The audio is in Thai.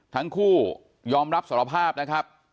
ทั้งคู่ยอมรับสารภาพนะครับ